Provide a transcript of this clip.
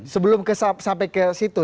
sebelum sampai ke situ